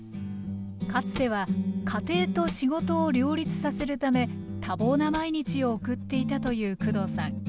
かつては家庭と仕事を両立させるため多忙な毎日を送っていたという工藤さん。